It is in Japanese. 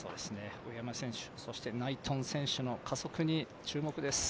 上山選手、ナイトン選手の加速に注目です。